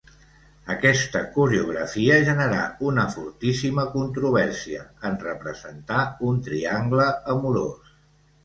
Aquesta coreografia generà una fortíssima controvèrsia, en representar un triangle amorós.